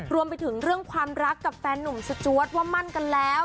รวมไปถึงเรื่องความรักกับแฟนหนุ่มสจวดว่ามั่นกันแล้ว